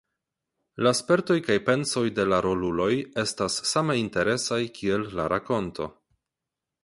La spertoj kaj pensoj de la roluloj estas same interesaj kiel la rakonto.